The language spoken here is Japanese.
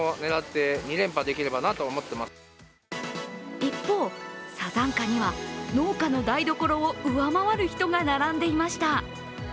一方、ＳＡＺＡＮＫＡには農家の台所を上回る人が並んでいました。